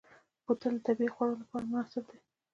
بوتل د طبعي خوړ لپاره مناسب دی.